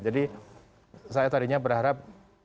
jadi saya tadinya berharap